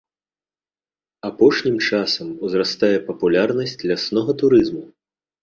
Апошнім часам узрастае папулярнасць ляснога турызму.